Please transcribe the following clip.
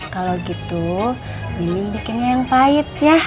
kalau gitu ini bikinnya yang pahit ya